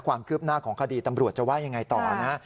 ความคืบหน้าของคดีตำรวจจะว่ายังไงต่อนะ